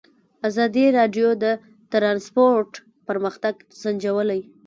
ازادي راډیو د ترانسپورټ پرمختګ سنجولی.